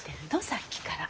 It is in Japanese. さっきから。